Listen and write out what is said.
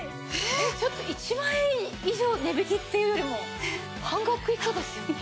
１万円以上値引きっていうよりも半額以下ですよね？